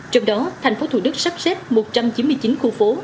trong đó tp thủ đức sắp xếp một trăm chín mươi chín khu phố